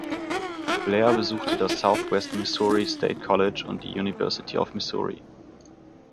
Blair besuchte das Southwest Missouri State College und die University of Missouri.